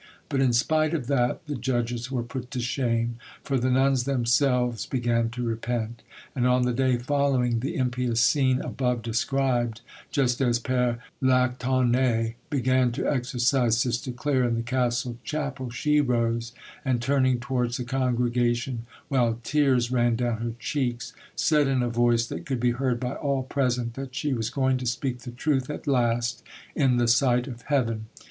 But in spite of that, the judges were put to shame, for the nuns themselves began to repent; and on the day following the impious scene above described, just as Pere Lactanee began to exorcise Sister Claire in the castle chapel, she rose, and turning towards the congregation, while tears ran down her cheeks, said in a voice that could be heard by all present, that she was going to speak the truth at last in the sight of Heaven.